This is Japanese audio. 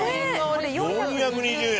４２０円。